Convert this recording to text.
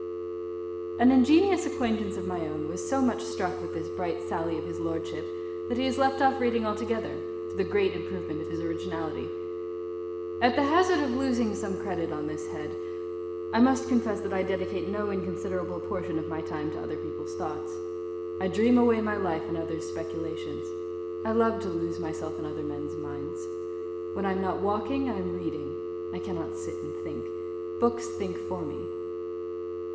_ An ingenious acquaintance of my own was so much struck with this bright sally of his Lordship, that he has left off reading altogether, to the great improvement of his originality. At the hazard of losing some credit on this head, I must confess that I dedicate no inconsiderable portion of my time to other people's thoughts. I dream away my life in others' speculations. I love to lose myself in other men's minds. When I am not walking, I am reading; I cannot sit and think. Books think for me.